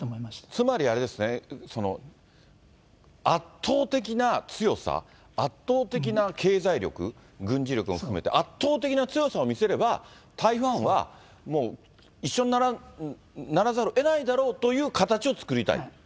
つまりあれですね、圧倒的な強さ、圧倒的な経済力、軍事力も含めて、圧倒的な強さを見せれば、台湾はもう一緒にならざるをえないだろうという形を作りたいと。